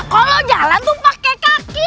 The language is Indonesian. kalau jalan tuh pakai kaki